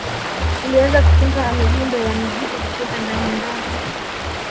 Liliweza kutunga midundo ya muziki kutoka ndanindani